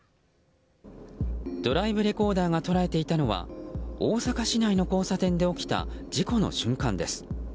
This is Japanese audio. ドライブレコーダーが捉えていたのは大阪市内の交差点で起きた事故の瞬間です。